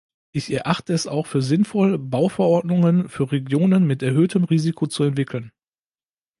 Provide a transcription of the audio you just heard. Ich erachte es auch für sinnvoll, Bauverordnungen für Regionen mit erhöhtem Risiko zu entwickeln.